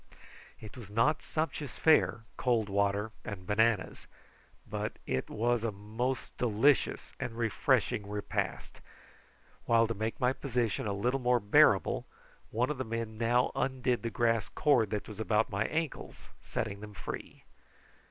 It was not sumptuous fare, cold water and bananas, but it was a most delicious and refreshing repast; while to make my position a little more bearable one of the men now undid the grass cord that was about my ankles, setting them free.